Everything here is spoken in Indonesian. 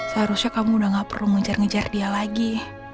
seharusnya kamu udah gak perlu ngejar ngejar dia lagi